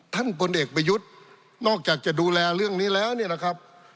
พลเอกประยุทธ์นอกจากจะดูแลเรื่องนี้แล้วเนี่ยนะครับ